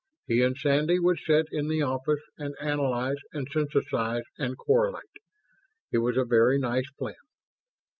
He and Sandy would sit in the office and analyze and synthesize and correlate. It was a very nice plan.